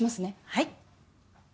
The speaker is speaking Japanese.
はい。